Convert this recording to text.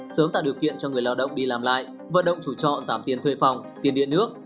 sớm tạo điều kiện cho người lao động đi làm lại vận động chủ trọ giảm tiền thuê phòng tiền điện nước